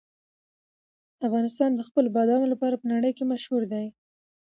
افغانستان د خپلو بادامو لپاره په نړۍ کې مشهور دی.